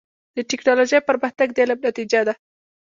د ټکنالوجۍ پرمختګ د علم نتیجه ده.